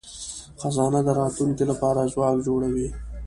خزانه د راتلونکي لپاره ځواک جوړوي.